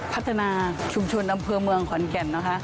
พัฒนาชุมชนอำเภอเมืองขอนแก่นนะคะ